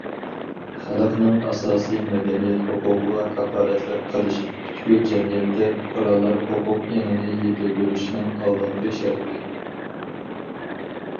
خەلقنىڭ ئاساسىي مەدەنىيەت ھوقۇقىغا كاپالەتلىك قىلىش پۈتكۈل جەمئىيەتتە پۇقرالار ھوقۇق ئېڭىنى يېتىلدۈرۈشنىڭ ئالدىنقى شەرتى.